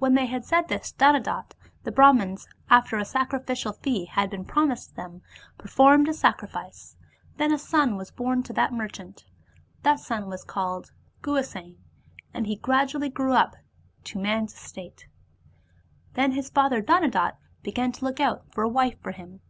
When they had said this to Dhanadatta, the Brahmans, after a sacrificial fee had been promised them, performed a sacrifice: then a son was bom to that merchant. That son was called Guhasena, and he gradually grew up to man's estate. Then his father Dhanadatta began to look out for a wife for him.